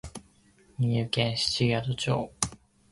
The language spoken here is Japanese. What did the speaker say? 宮城県七ヶ宿町